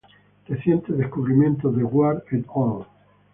Recientes descubrimientos de Ward "et al.